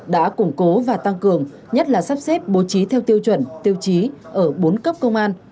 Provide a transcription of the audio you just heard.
đã củng cố và tăng cường nhất là sắp xếp bố trí theo tiêu chuẩn tiêu chí ở bốn cấp công an